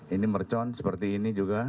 ini mercon seperti ini juga